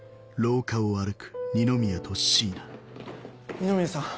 二宮さん。